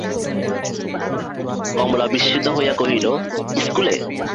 কমলা বিসিমত হইয়া কহিল, ইস্কুলে?